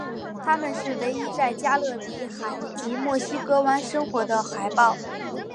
它们是唯一在加勒比海及墨西哥湾生活的海豹。